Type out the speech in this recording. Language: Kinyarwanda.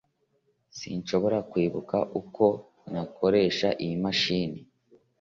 sinshobora kwibuka uko nakoresha iyi mashini